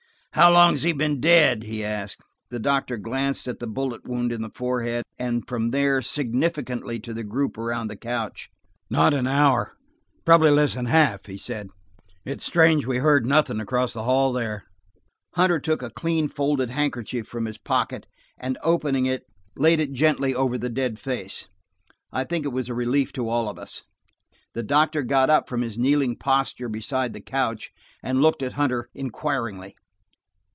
"How long has he been dead?" he asked. The doctor glanced at the bullet wound in the forehead, and from there significantly to the group around the couch. "Not an hour–probably less than half," he said. "It's strange we heard nothing, across the hall there." Hunter took a clean folded handkerchief from his pocket and opening it laid it gently over the dead face. I think it was a relief to all of us. The doctor got up from his kneeling posture beside the couch, and looked at Hunter inquiringly.